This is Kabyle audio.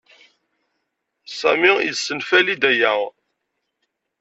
Sami yessenfali-d aya.